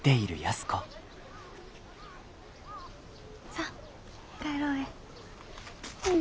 さあ帰ろうえ。